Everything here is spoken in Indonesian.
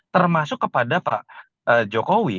termasuk kepada pak jokowi